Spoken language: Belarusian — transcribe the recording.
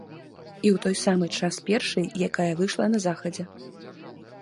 І ў той самы час першай, якая выйшла на захадзе.